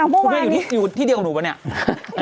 คุณพี่อยู่ที่เดียวกับหนูป่ะนี่